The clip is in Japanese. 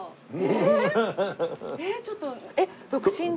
ちょっと。